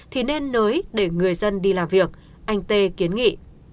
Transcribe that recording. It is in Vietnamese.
thì nên nới để người dân đi làm việc anh tê kiến nghị